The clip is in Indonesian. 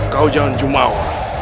kau jangan jumawa